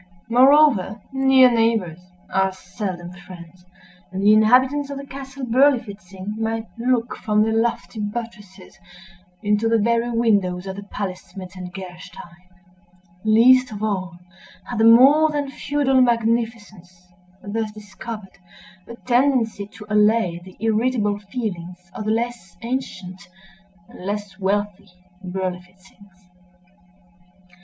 Moreover, near neighbors are seldom friends; and the inhabitants of the Castle Berlifitzing might look, from their lofty buttresses, into the very windows of the palace Metzengerstein. Least of all had the more than feudal magnificence, thus discovered, a tendency to allay the irritable feelings of the less ancient and less wealthy Berlifitzings.